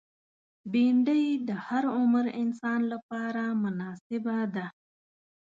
بېنډۍ د هر عمر انسان لپاره مناسبه ده